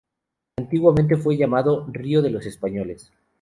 Antiguamente fue llamado "río de los Españoles".